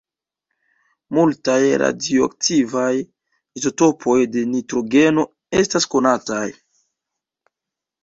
Multaj radioaktivaj izotopoj de nitrogeno estas konataj.